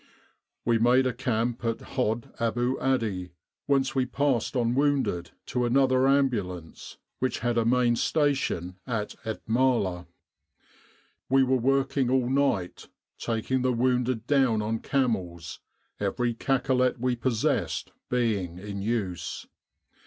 We made a camp at Hod Abou Adi, whence we passed 118 The Sinai Desert Campaign on wounded to another Ambulance which had a main station at Et Maler. We were working all night, taking the wounded down on camels, every cacolet we possessed being in use.